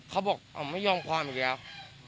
เขาบอกไม่ยอมความอีกแล้ว